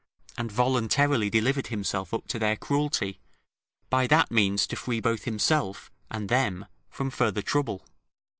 ] and voluntarily delivered himself up to their cruelty, by that means to free both himself and them from further trouble.